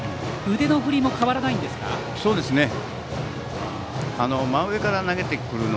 腕の振りも変わらないですか。